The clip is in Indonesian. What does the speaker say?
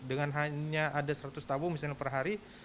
dengan hanya ada seratus tabung misalnya per hari